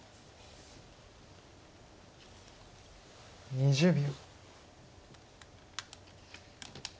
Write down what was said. ２０秒。